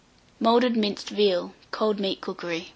MOULDED MINCED VEAL (Cold Meat Cookery).